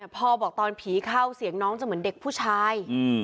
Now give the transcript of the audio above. พ่อบอกตอนผีเข้าเสียงน้องจะเหมือนเด็กผู้ชาย